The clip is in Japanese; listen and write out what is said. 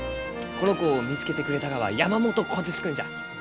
この子を見つけてくれたがは山元虎鉄君じゃ。